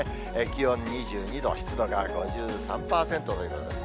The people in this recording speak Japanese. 気温２２度、湿度が５３％ということです。